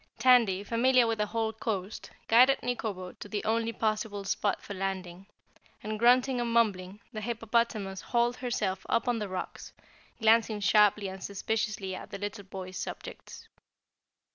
Tandy, familiar with the whole coast, guided Nikobo to the only possible spot for landing and, grunting and mumbling, the hippopotamus hauled herself up on the rocks, glancing sharply and suspiciously at the little boy's subjects.